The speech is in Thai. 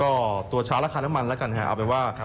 และตัวสไลช์ราคาน้ำมันล่ะก็มาพูดได้ว่า